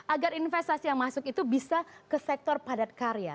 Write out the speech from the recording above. agar investasi yang masuk itu bisa ke sektor padat karya